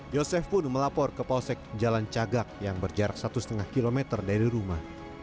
yosef pun melapor ke polsek jalan cagak yang berjarak satu lima km dari rumah